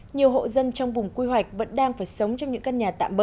nhiều hộ dân trong vùng quy hoạch vẫn đang phải sống trong những căn nhà tạm bỡ